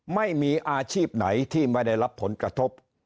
ไม่มีอาชีพไหนที่ไม่ได้รับผลกระทบ